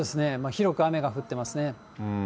広く雨が降ってますね。